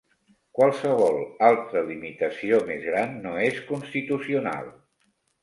Qualsevol altra limitació més gran no és constitucional.